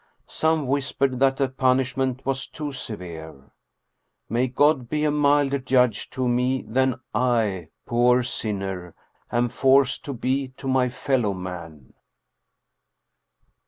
Some whispered that the punishment was too severe. May God be a milder judge to me than I, poor sinner,, am forced to be to my fellow men.